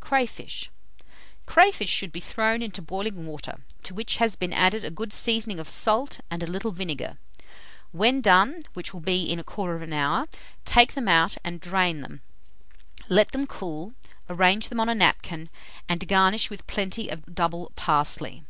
CRAYFISH. 246. Crayfish should be thrown into boiling water, to which has been added a good seasoning of salt and a little vinegar. When done, which will be in 1/4 hour, take them out and drain them. Let them cool, arrange them on a napkin, and garnish with plenty of double parsley.